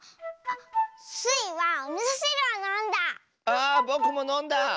あぼくものんだ！